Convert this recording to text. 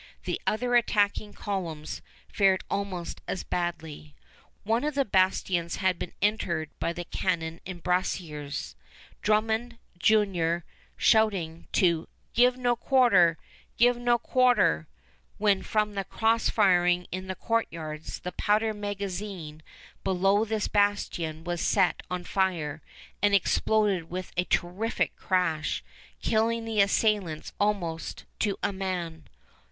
The other attacking columns fared almost as badly. One of the bastions had been entered by the cannon embrasures, Drummond, Junior, shouting to "give no quarter give no quarter," when, from the cross firing in the courtyards, the powder magazine below this bastion was set on fire, and exploded with a terrific crash, killing the assailants almost to a man.